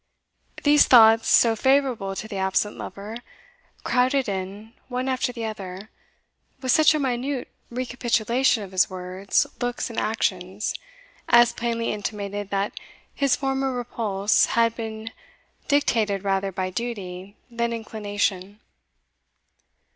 These thoughts, so favourable to the absent lover, crowded in, one after the other, with such a minute recapitulation of his words, looks, and actions, as plainly intimated that his former repulse had been dictated rather by duty than inclination.